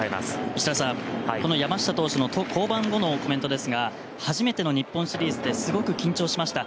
石田さん、山下投手の降板後のコメントですが初めての日本シリーズですごく緊張しました。